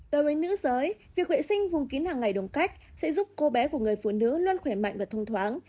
đối với nữ giới việc vệ sinh vùng kín hàng ngày đồng cách sẽ giúp cô bé của người phụ nữ luôn khỏe mạnh và thông thoáng